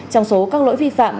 trong số các lỗi vi phạm